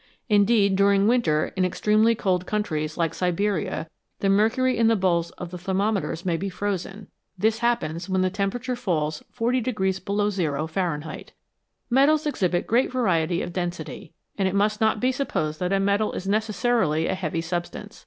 Indeed, during winter in extremely cold countries like Siberia the mercury in the bulbs of the thermometers may be frozen ; this happens when the temperature falls 40 below zero Fahrenheit. Metals exhibit great variety of density, and it must not be supposed that a metal is necessarily a heavy sub stance.